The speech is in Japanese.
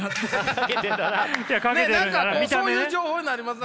何かそういう情報になりますよね！